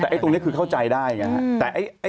แต่ตรงนี้คือเข้าใจได้นะครับ